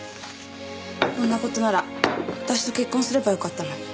こんな事なら私と結婚すればよかったのに。